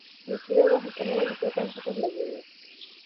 د سرې غوښې کمول د سرطان خطر لږوي.